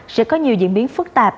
sẽ có nhiều diễn biến phức tạp